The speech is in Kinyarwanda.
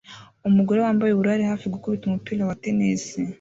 Umugore wambaye ubururu ari hafi gukubita umupira wa tennis